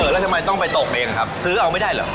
แล้วทำไมต้องไปตกเองครับซื้อเอาไม่ได้เหรอ